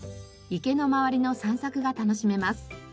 池の周りの散策が楽しめます。